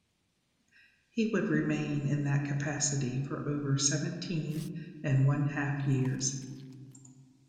He would remain in that capacity for over seventeen and one-half years.